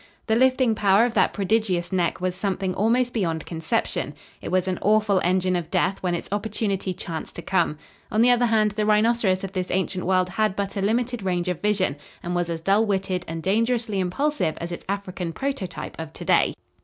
The lifting power of that prodigious neck was something almost beyond conception. It was an awful engine of death when its opportunity chanced to come. On the other hand, the rhinoceros of this ancient world had but a limited range of vision, and was as dull witted and dangerously impulsive as its African prototype of today.